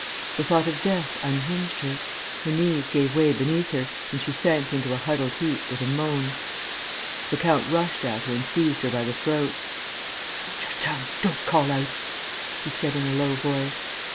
The thought of death unhinged her. Her knees gave way beneath her and she sank into a huddled heap, with a moan. The count rushed at her and seized her by the throat: "Hold your tongue ... don't call out!" he said, in a low voice.